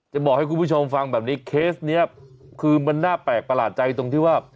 จะบอกให้คุณผู้ชมฟังแบบนี้เคสนี้คือมันน่าแปลกประหลาดใจตรงที่ว่า